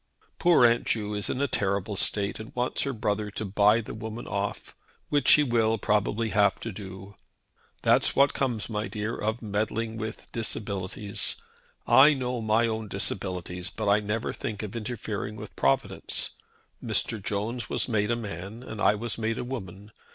Poor Aunt Ju is in a terrible state, and wants her brother to buy the woman off, which he will probably have to do. That's what comes, my dear, of meddling with disabilities. I know my own disabilities, but I never think of interfering with Providence. Mr. Jones was made a man, and I was made a woman.